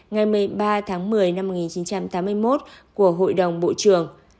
ngày một mươi ba tháng một mươi năm một nghìn chín trăm tám mươi một của hội đồng bộ trưởng